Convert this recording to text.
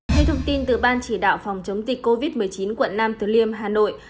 theo thông tin từ ban chỉ đạo phòng chống dịch covid một mươi chín quận nam từ liêm hà nội